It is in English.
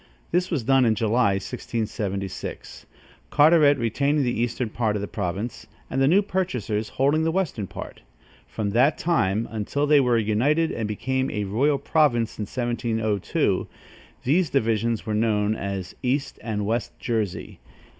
This was done in July, 1676, Carteret retaining the eastern part of the province, and the new purchasers holding the western part. From that time, until they were united and became a royal province in 1702, these divisions were known as East and West Jersey.